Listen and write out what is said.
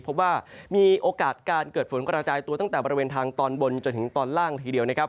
พบว่ามีโอกาสการเกิดฝนกระจายตัวตั้งแต่บริเวณทางตอนบนจนถึงตอนล่างทีเดียวนะครับ